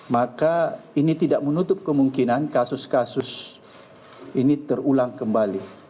maka ini tidak menutup kemungkinan kasus kasus ini terulang kembali